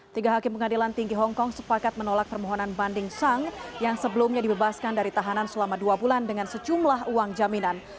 tiga hakim pengadilan tinggi hongkong sepakat menolak permohonan banding sang yang sebelumnya dibebaskan dari tahanan selama dua bulan dengan sejumlah uang jaminan